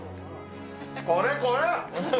これこれ。